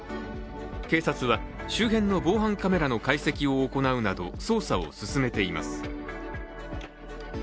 警察は、周辺の防犯カメラの解析を行うなど捜査を進めています。